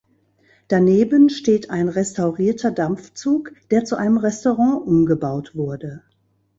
Daneben steht ein restaurierter Dampfzug, der zu einem Restaurant umgebaut wurde.